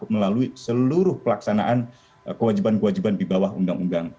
melalui seluruh pelaksanaan kewajiban kewajiban di bawah undang undang